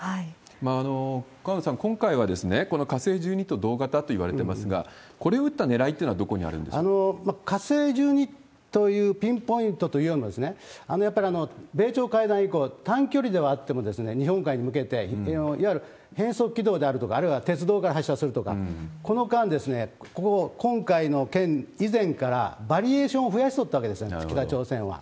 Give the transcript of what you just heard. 河野さん、今回はこの火星１２と同型といわれてますが、これを撃ったねらいっていうのはどこにあるんでしょうかろろ火星１２というピンポイントというのは、やっぱり米朝会談以降、短距離ではあっても、日本海に向けて、いわゆる変則軌道であるとか、あるいは鉄道から発射するとか、この間、今回の件以前からバリエーションを増やしてきたわけです、北朝鮮は。